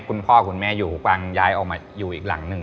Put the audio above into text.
คุณพ่อคุณแม่อยู่กวางย้ายออกมาอยู่อีกหลังหนึ่ง